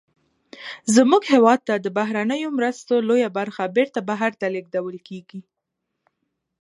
زمونږ هېواد ته د بهرنیو مرستو لویه برخه بیرته بهر ته لیږدول کیږي.